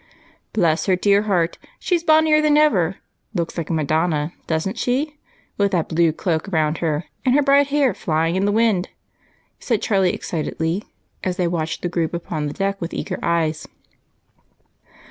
"Bless her dear heart, she's bonnier than ever! Looks like a Madonna doesn't she? with that blue cloak round her, and her bright hair flying in the wind!" said Charlie excitedly as they watched the group upon the deck with eager eyes.